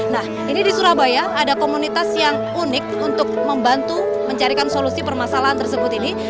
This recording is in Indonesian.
nah ini di surabaya ada komunitas yang unik untuk membantu mencarikan solusi permasalahan tersebut ini